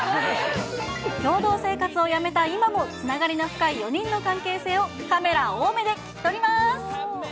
共同生活をやめた今も、つながりの深い４人の関係性をカメラ多めで聞き撮ります。